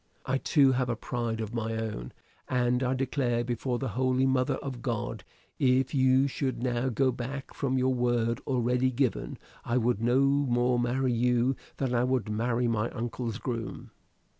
I too have a pride of my own: and I declare before the holy mother of God, if you should now go back from your word already given, I would no more marry you than I would marry my uncle's groom."